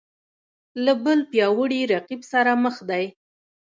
له بل پیاوړي رقیب سره مخ دی